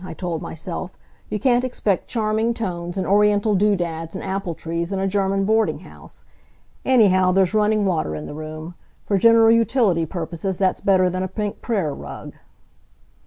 I told myself. "You can't expect charming tones, and Oriental do dads and apple trees in a German boarding house. Anyhow there's running water in the room. For general utility purposes that's better than a pink prayer rug."